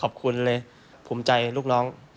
ขอบคุณเลยหภูมิใจเรื่องนี้